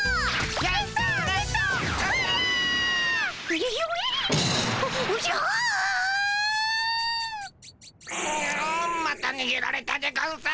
くまたにげられたでゴンス。